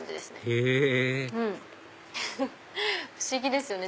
へぇ不思議ですよね